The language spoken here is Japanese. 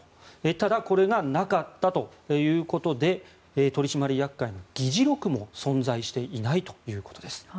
ただ、これがなかったということで取締役会の議事録も存在していないということです。